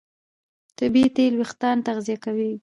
طبیعي تېل وېښتيان تغذیه کوي.